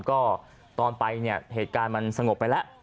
ก็ตอนไปเนี่ยเหตุการณ์มันสงบไปแล้ว